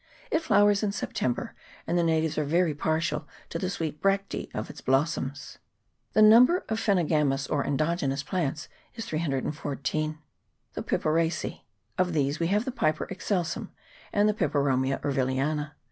It flowers in September; and the natives are very partial to the sweet bractese of its blossoms. The number of PILENOGAMOUS or ENDOGENOUS plants is 314. The Piperacece. Of these we have the Piper excelsum and the Peperomia Urvilleana.